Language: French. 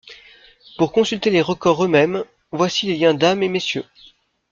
Pour consulter les records eux-mêmes, voici les liens dames et messieurs.